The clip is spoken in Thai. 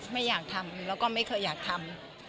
ไม่อยากทำแล้วก็ไม่เคยอยากทำ